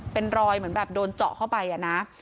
เป็นรอยเหมือนแบบโดนเจาะเข้าไปอะนะ